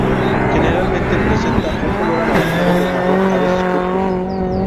Generalmente presenta un color anaranjado o marrón, a veces púrpura.